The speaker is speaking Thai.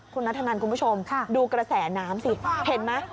คุณนัทธนันคุณผู้ชมดูกระแสน้ำสิเห็นไหม